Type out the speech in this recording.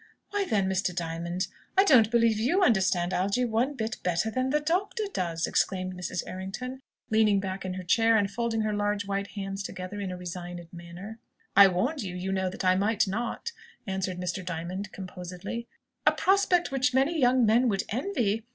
"Why, then, Mr. Diamond, I don't believe you understand Algy one bit better than the doctor does!" exclaimed Mrs. Errington, leaning back in her chair, and folding her large white hands together in a resigned manner. "I warned you, you know, that I might not," answered Mr. Diamond, composedly. "'A prospect which many young men would envy!'